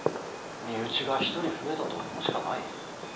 身内が一人増えたと思うしかない。